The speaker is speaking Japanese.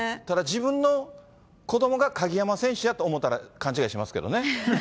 ただ自分の子どもが鍵山選手やと思ったら、勘違いしますけどね。